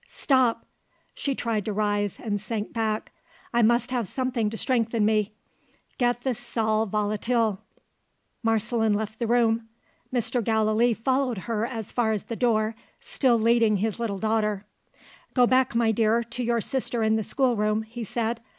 Stop!" She tried to rise, and sank back. "I must have something to strengthen me. Get the sal volatile." Marceline left the room. Mr. Gallilee followed her as far as the door still leading his little daughter. "Go back, my dear, to your sister in the schoolroom," he said.